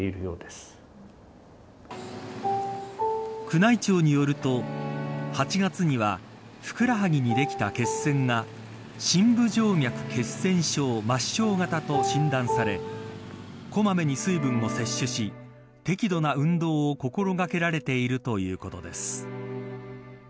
宮内庁によると８月にはふくらはぎにできた血栓が深部静脈血栓症・末梢型と診断されこまめに水分を摂取し適度な運動を心掛けられているということです。